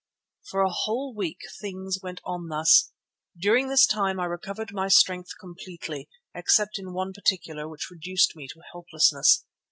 For a whole week things went on thus. During this time I recovered my strength completely, except in one particular which reduced me to helplessness.